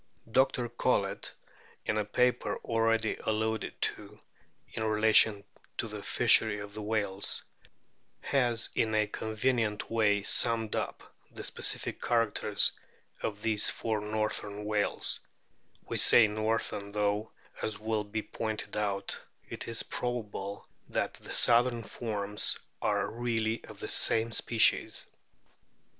Dr. Collett, in a paper already alluded to in relation to the fishery of these whales, has in a convenient * De VHist. No.*. Cetacees, p. 307. RORQUALS 153 way summed up the specific characters of these four northern whales we say northern, though, as will be pointed out, it is probable that the southern forms are really of the same species.